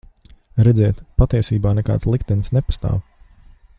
Redziet, patiesībā nekāds liktenis nepastāv.